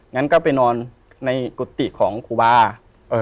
งั้นก็ไปนอนในกุฏิของครูบาเอ่อ